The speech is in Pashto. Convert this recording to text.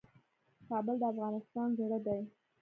کابل د افغانستان زړه دی